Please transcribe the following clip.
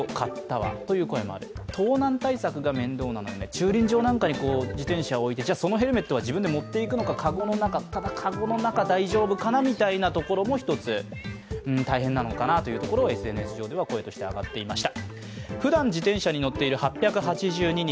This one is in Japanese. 駐輪場に自転車を置いて、ヘルメットは持っていくのか、かごの中ただかごの中大丈夫かなというのも一つ大変なのかなというところをＳＮＳ上では声として上がっていました。